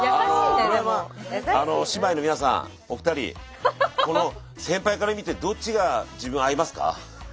姉妹の皆さんお二人先輩から見てどっちが自分合いますか？